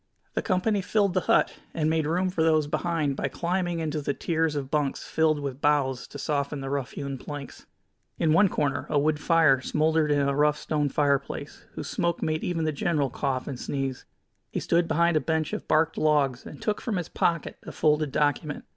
The company filled the hut, and made room for those behind by climbing into the tiers of bunks filled with boughs to soften the rough hewn planks. In one corner a wood fire smoldered in a rough stone fireplace, whose smoke made even the general cough and sneeze. He stood behind a bench of barked logs, and took from his pocket a folded document.